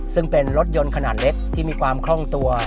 ซึ่งเป็นรถยนต์ขนาดเล็กที่มีความคล่องตัว